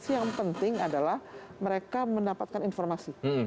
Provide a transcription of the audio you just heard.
jadi informasi yang penting adalah mereka mendapatkan informasi